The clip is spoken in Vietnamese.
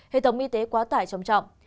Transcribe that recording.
hệ thống y tế quá tải trọng trọng